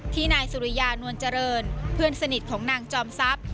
นายสุริยานวลเจริญเพื่อนสนิทของนางจอมทรัพย์